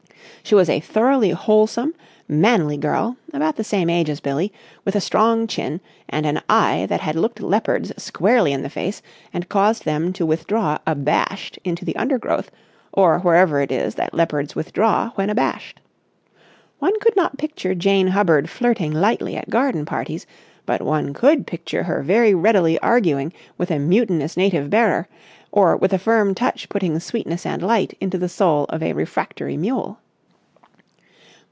She was a thoroughly wholesome, manly girl, about the same age as Billie, with a strong chin and an eye that had looked leopards squarely in the face and caused them to withdraw abashed into the undergrowth, or wherever it is that leopards withdraw when abashed. One could not picture Jane Hubbard flirting lightly at garden parties, but one could picture her very readily arguing with a mutinous native bearer, or with a firm touch putting sweetness and light into the soul of a refractory mule.